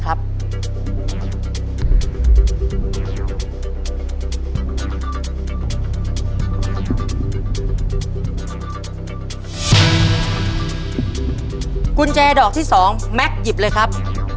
กุญแจดอกที่๒แม็กซหยิบเลยครับ